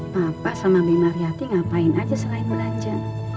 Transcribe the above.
papa sama bimariati ngapain aja selain belanja